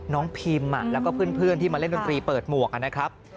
พิมแล้วก็เพื่อนที่มาเล่นดนตรีเปิดหมวกนะครับ